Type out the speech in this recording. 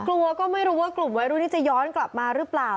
กลัวก็ไม่รู้ว่ากลุ่มวัยรุ่นนี้จะย้อนกลับมาหรือเปล่า